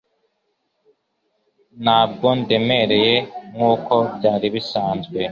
Ntabwo ndemereye nkuko byari bisanzwe